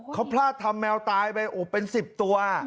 เขาพลาดทำแมวตายไปเป็น๑๐ตัว